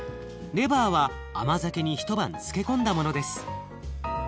レバーは甘酒に一晩漬け込んだものです。